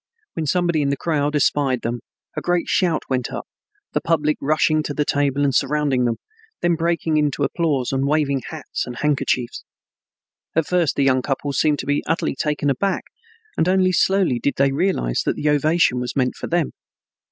When somebody in the crowd espied them, a great shout went up, the public rushing to the table and surrounding them, then breaking into applause and waving hats and handkerchiefs. At first the young couple seemed to be utterly taken aback and only slowly did they realize that the ovation was meant for them.